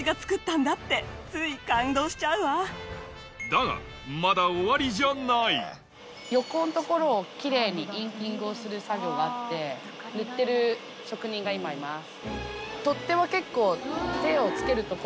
だがまだ終わりじゃない横の所をキレイにインキングをする作業があって塗ってる職人が今います。